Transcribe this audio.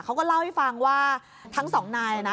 เขาก็เล่าให้ฟังว่าทั้งสองนายนะ